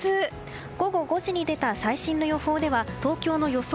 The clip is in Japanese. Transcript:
午後５時に出た最新の予報では東京の予想